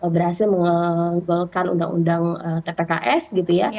berhasil menggolkan undang undang tpks gitu ya